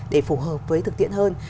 để phù hợp với thực tiễn hơn